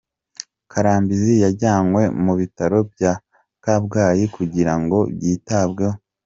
Karambizi yajyanywe mu bitaro bya Kabgayi kugira ngo yitabweho.